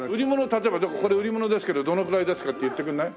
例えばこれ売り物ですけどどのくらいですかって言ってくんない？